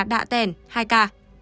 đạ tẻn hai ca